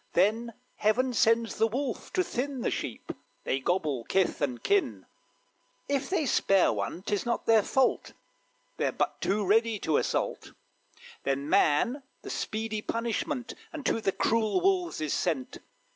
Then Heaven sends the wolf to thin The sheep they gobble kith and kin If they spare one 'tis not their fault, They're but too ready to assault; Then man the speedy punishment Unto the cruel wolves is sent.